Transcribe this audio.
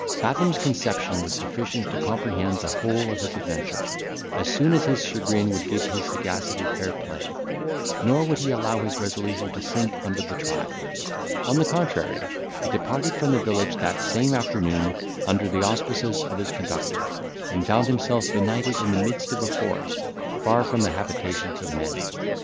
Fathom's conception was sufficient to comprehend the whole of this adventure, as soon as his chagrin would give his sagacity fair play; nor would he allow his resolution to sink under the trial; on the contrary, he departed from the village that same afternoon, under the auspices of his conductor, and found himself benighted in the midst of a forest, far from the habitations of men.